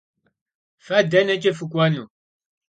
Fe deneç'e fık'uenu?